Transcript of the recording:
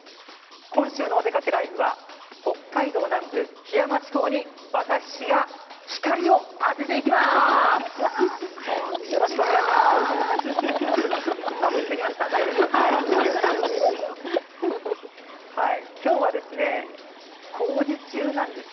今週の「おでかけＬＩＶＥ」は北海道南部桧山地方に私が光を当てていきます。